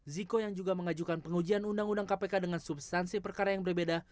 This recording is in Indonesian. ziko yang juga mengajukan pengujian undang undang kpk dengan substansi perkara yang berbeda